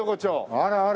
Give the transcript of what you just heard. あらあら。